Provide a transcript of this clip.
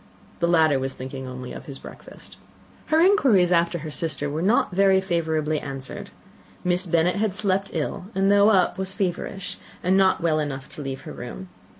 The latter was thinking only of his breakfast. Her inquiries after her sister were not very favourably answered. Miss Bennet had slept ill, and though up, was very feverish, and not well enough to leave her room.